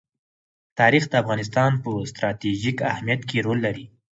تاریخ د افغانستان په ستراتیژیک اهمیت کې رول لري.